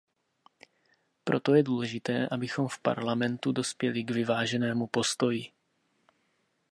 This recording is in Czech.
Proto je důležité, abychom v Parlamentu dospěli k vyváženému postoji.